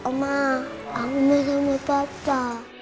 omah aku mau sama papa